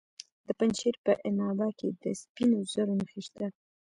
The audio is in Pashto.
د پنجشیر په عنابه کې د سپینو زرو نښې شته.